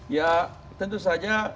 ya tentu saja